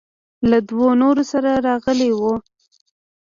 له دوو نورو سره راغلى و.